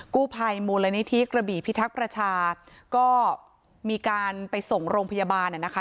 กู้ภัยมูลนิธิกระบี่พิทักษ์ประชาก็มีการไปส่งโรงพยาบาลนะคะ